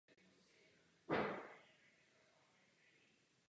Koná se v září.